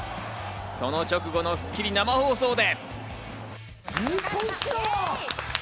その直後の『スッキリ』生放送で。